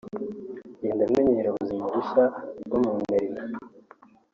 ngenda menyera ubwo buzima bushya bwo mu nterina